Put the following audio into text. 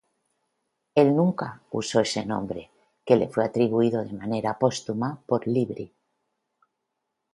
Él nunca usó este nombre, que le fue atribuido de manera póstuma por Libri.